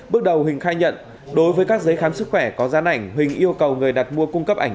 bước đầu huỳnh khai nhận đối với các giấy khám sức khỏe có gián ảnh huỳnh yêu cầu người đặt mua cung cấp ảnh